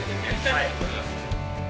はい。